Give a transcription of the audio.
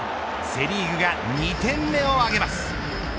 セ・リーグが２点目を挙げます。